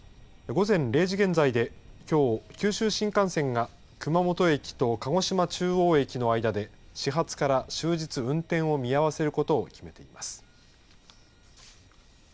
午前０時現在できょう、九州新幹線が熊本駅と鹿児島中央駅の間で始発から終日、運転を見合わせることを決めています。